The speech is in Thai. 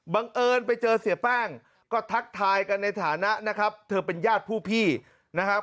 เอิญไปเจอเสียแป้งก็ทักทายกันในฐานะนะครับเธอเป็นญาติผู้พี่นะครับ